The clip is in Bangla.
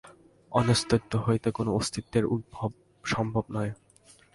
অনস্তিত্ব হইতে কোন অস্তিত্বের উদ্ভব সম্ভব নহে।